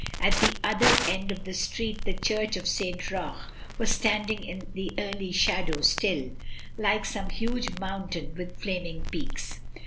At the other end of the street the church of St. Roch was standing in the early shadow still, like some huge mountain with flaming peaks.